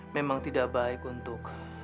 memang tidak baik untuk